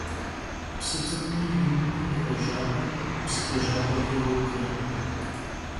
Psı ts'ık'umi yinmi yi khêjap'em psı khêjjap'eç'e yoce.